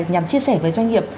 nhằm chia sẻ với doanh nghiệp